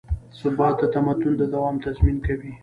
ثبات د تمدن د دوام تضمین کوي.